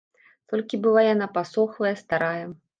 Толькі была яна пасохлая, старая.